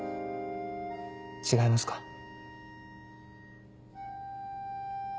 違いますか？